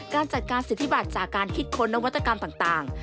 การจัดการสิทธิบัตรจากการคิดค้นนวัตกรรมต่าง